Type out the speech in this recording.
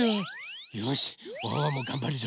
よしワンワンもがんばるぞ。